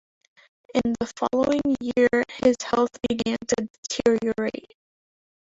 In the following year his health began to deteriorate.